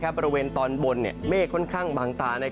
บริเวณตอนบนเมฆค่อนข้างบางตา